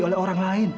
oleh orang lain